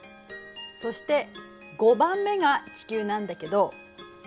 そして５番目が地球なんだけど。